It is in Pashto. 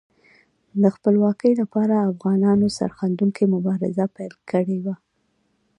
د خپلواکۍ لپاره افغانانو سرښندونکې مبارزه پیل کړې وه.